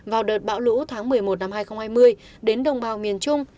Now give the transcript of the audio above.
vào đợt bão lũ tháng một mươi một năm hai nghìn hai mươi đến đồng bào miền trung